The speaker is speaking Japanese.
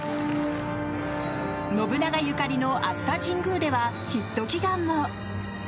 信長ゆかりの熱田神宮ではヒット祈願も。